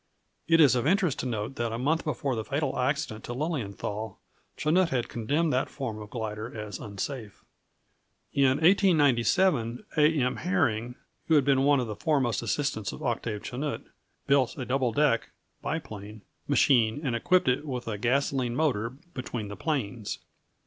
It is of interest to note that a month before the fatal accident to Lilienthal, Chanute had condemned that form of glider as unsafe. [Illustration: Chanute's two deck glider.] In 1897, A. M. Herring, who had been one of the foremost assistants of Octave Chanute, built a double deck (biplane) machine and equipped it with a gasoline motor between the planes.